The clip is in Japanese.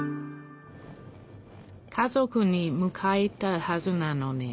家族にむかえたはずなのに。